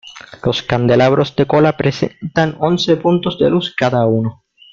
Los candelabros de cola presentan once puntos de luz cada uno.